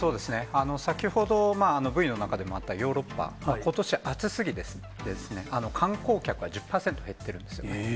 先ほどＶの中でもあったヨーロッパ、ことし暑すぎて観光客が１０％減ってるんですよ。